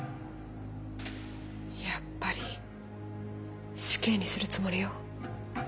やっぱり死刑にするつもりよ。